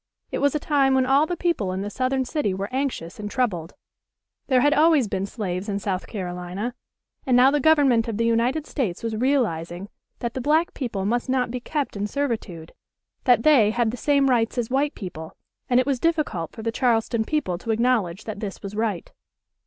It was a time when all the people in the southern city were anxious and troubled. There had always been slaves in South Carolina, and now the Government of the United States was realizing that the black people must not be kept in servitude; that they had the same rights as white people; and it was difficult for the Charleston people to acknowledge that this was right.